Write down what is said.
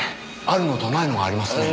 あるのとないのがありますね。